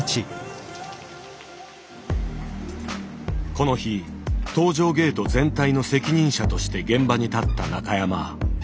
この日搭乗ゲート全体の責任者として現場に立った中山。